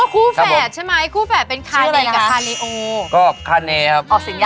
คารานิอ่ะ